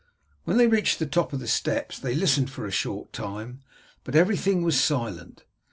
When they reached the top of the steps they listened for a short time, but everything was silent.